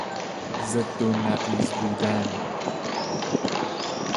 ضد و نقیض بودن